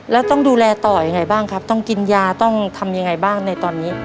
แล้วต้องดูแลต่อยังไงบ้างครับต้องกินยาต้องทำยังไงบ้างในตอนนี้